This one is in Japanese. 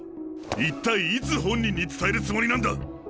一体いつ本人に伝えるつもりなんだ！？